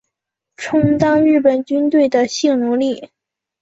充当日本军队的性奴隶